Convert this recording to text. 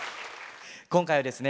今回ですね